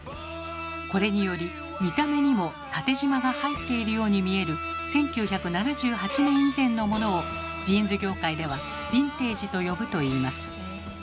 これにより見た目にも縦じまが入っているように見える１９７８年以前のモノをジーンズ業界では「ヴィンテージ」と呼ぶといいます。